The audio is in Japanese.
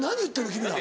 君ら。